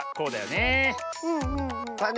ねえ。